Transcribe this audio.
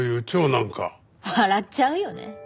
笑っちゃうよね。